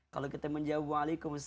kalau kita menjawab waalaikumussalam